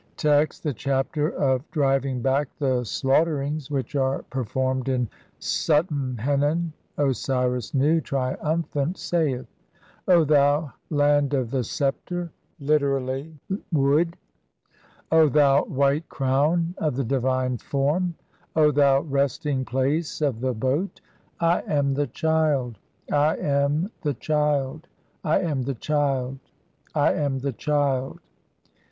1 Text : (1) THE CHAPTER OF DRIVING BACK THE (2) SLAUGH TERINGS WHICH ARE PERFORMED IN SUTEN HENEN. Osiris Nu, triumphant, saith :— "O thou land of the sceptre! (literally, wood) O thou white "crown of the divine form ! O thou resting place of the boat ! "I am the Child, (3) I am the Child, I am the Child, I am "the Child.